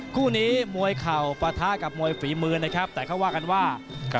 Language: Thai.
คู่นี้มวยเข่าปะทะกับมวยฝีมือนะครับแต่เขาว่ากันว่า